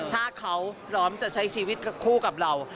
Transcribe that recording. ถ้าเขาพร้อมจะใช้ชีวิตคู่กับเรา